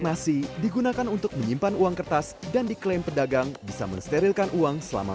masih digunakan untuk menyimpan uang kertas dan diklaim pedagang bisa mensterilkan uang selama